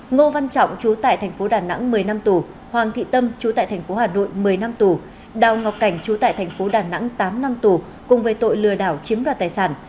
ngô văn trọng trú tại tp đà nẵng một mươi năm tù hoàng thị tâm trú tại tp hà nội một mươi năm tù đào ngọc cảnh trú tại tp đà nẵng tám năm tù cùng về tội lừa đảo chiếm đoạt tài sản